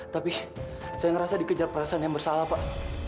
tapi saya merasa dikejar perasaan yang bersalah pak